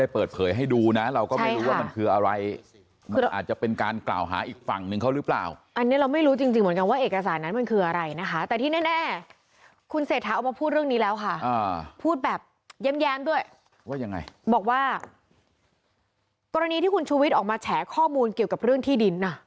พูดออกมาว่าเกี่ยวกับเรื่องที่ดิน